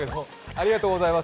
ありがとうございます。